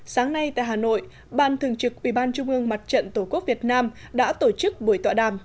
sáng nay tại hà nội ban thường trực ubnd tổ quốc việt nam đã tổ chức buổi tọa đàm